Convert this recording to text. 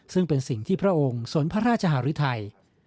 ซึ่งเป็นสิ่งที่พระองค์สนพระราชหารุทัย